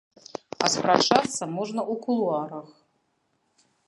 А спрачацца можна ў кулуарах.